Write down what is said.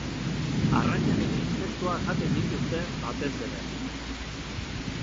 Arrainak eta intsektuak jaten dituzte batez ere.